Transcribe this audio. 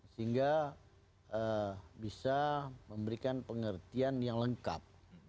sehingga bisa memberikan pengertian yang lengkap